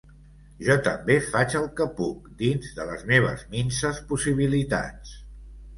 Jo també faig el que puc, dins de les meves minses possibilitats.